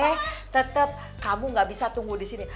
he tetep kamu ga bisa tunggu disini